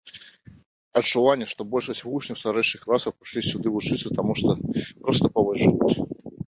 Адчуванне, што большасць вучняў старэйшых класаў прыйшлі сюды вучыцца, таму што проста побач жывуць.